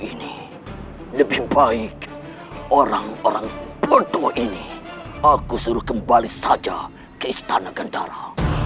ini lebih baik orang orang ponto ini aku suruh kembali saja ke istana kendara